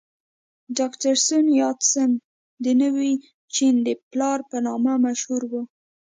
ډاکټر سون یات سن د نوي چین د پلار په نامه مشهور و.